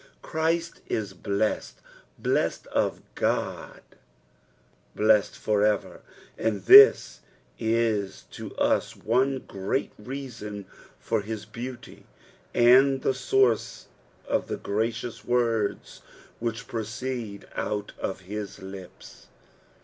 Christ is blessed, blessed of God, blessed for ever, and this is to us one grent reason for Iiib lieauty, nnd the ■oorce of the gracious words which proceed out o( his lips.